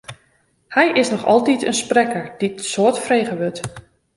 Hy is noch altyd in sprekker dy't in soad frege wurdt.